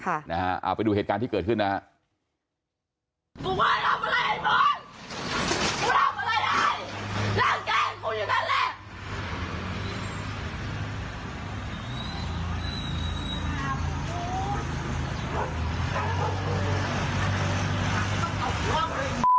เอาไปดูเหตุการณ์ที่เกิดขึ้นนะฮะ